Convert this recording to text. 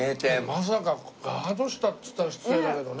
まさかガード下っつったら失礼だけどね。